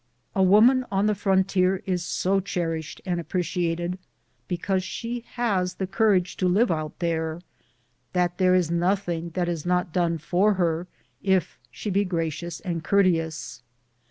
A woman on the frontier is so cherished and appre ciated, because she has the courage to live out there, that there is nothing that is not done for her if she be gracious and courteous.